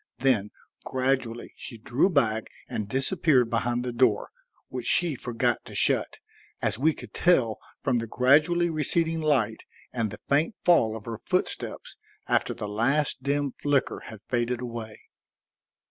Then gradually she drew back and disappeared behind the door, which she forgot to shut, as we could tell from the gradually receding light and the faint fall of her footsteps after the last dim flicker had faded away.